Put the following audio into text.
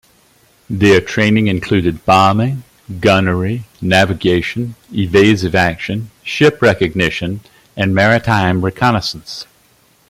Their training included bombing, gunnery, navigation, evasive action, ship recognition and maritime reconnaissance.